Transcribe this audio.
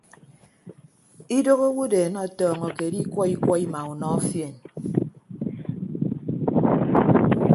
Idooho awodeen ọtọọñọke edikwọ ikwọ ima unọ fien.